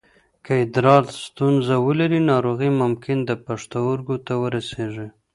که ادرار ستونزه ولري، ناروغي ممکن د پښتورګو ته ورسېږي.